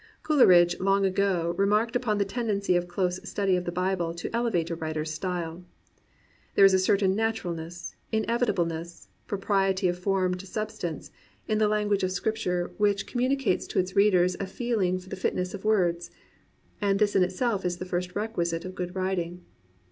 Coleridge long ago remarked upon the tendency of a close study of the Bible to elevate a writer's style. There is a certain naturalness, inevitableness, propriety of form to substance, in the language of Scripture 20 THE BOOK OF BOOKS which communicates to its readers a feeling for the fitness of words; and this in itself is the first req uisite of good writing.